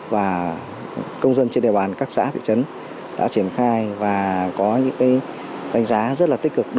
và công dân trên địa bàn các xã thị trấn đã triển khai và có những đánh giá rất là tích cực